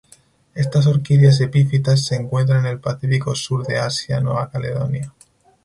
Estas orquídeas epífitas se encuentran en el Pacífico Sur de Asia Nueva Caledonia.